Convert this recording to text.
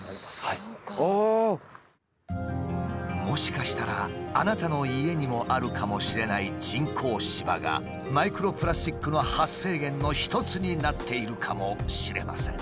もしかしたらあなたの家にもあるかもしれない人工芝がマイクロプラスチックの発生源の一つになっているかもしれません。